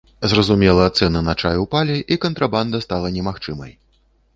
Зразумела, цэны на чай упалі, і кантрабанда стала немагчымай.